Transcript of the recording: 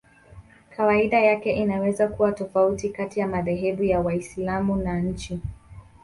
Kawaida yake inaweza kuwa tofauti kati ya madhehebu ya Waislamu na nchi.